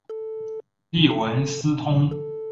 利文斯通是位于英国苏格兰西洛锡安的最大城市。